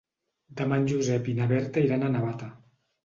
Demà en Josep i na Berta iran a Navata.